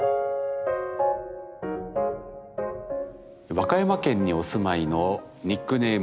和歌山県にお住まいのニックネーム